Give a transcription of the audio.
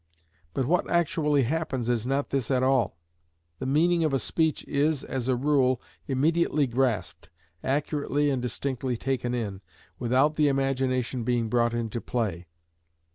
But what actually happens is not this at all. The meaning of a speech is, as a rule, immediately grasped, accurately and distinctly taken in, without the imagination being brought into play.